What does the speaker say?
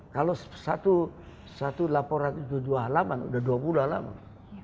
kalau satu laporan itu dua halaman sudah dua puluh halaman